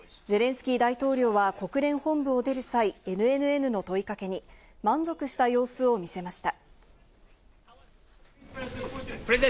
ゼレンスキー大統領は国連本部を出る際、ＮＮＮの問い掛けに満足した様子を見せました。